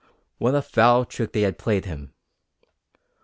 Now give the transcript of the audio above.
What a foul trick they had played him!